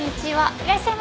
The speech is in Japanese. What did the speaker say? いらっしゃいませ。